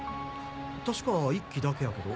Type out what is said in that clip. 確か１基だけやけど。